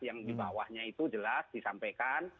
yang di bawahnya itu jelas disampaikan